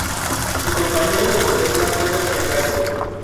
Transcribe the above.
Su compañero de fórmula fue Daniel Gallo.